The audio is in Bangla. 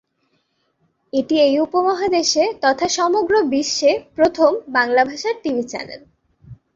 এটি এই উপমহাদেশে তথা সমগ্র বিশ্বে প্রথম বাংলা ভাষার টিভি চ্যানেল।